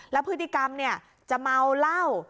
แล้วพฤติกรรมจะเมาเหล้า